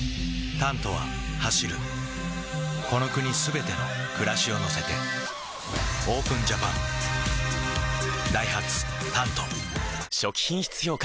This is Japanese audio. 「タント」は走るこの国すべての暮らしを乗せてＯＰＥＮＪＡＰＡＮダイハツ「タント」初期品質評価